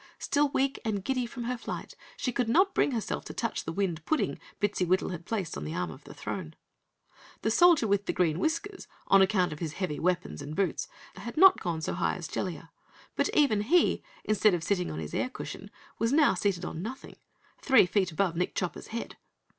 Still weak and giddy from her flight, she could not bring herself to touch the wind pudding Bittsywittle had placed on the arm of the throne. The Soldier with Green Whiskers, on account of his heavy weapons and boots, had not gone so high as Jellia, but even he, instead of sitting on his air cushion, was now seated on nothing three feet above Nick Chopper's head.